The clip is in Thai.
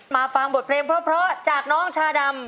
มาฟังบทเพลงเพราะจากน้องชาดำ